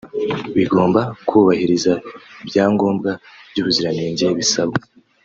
bigomba kubahiriza ibyangombwa by’ubuziranenge bisabwa